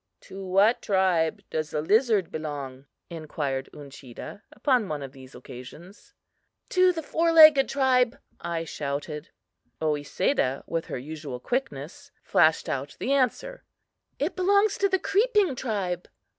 "To what tribe does the lizard belong?" inquired Uncheedah, upon one of these occasions. "To the four legged tribe," I shouted. Oesedah, with her usual quickness, flashed out the answer: "It belongs to the creeping tribe."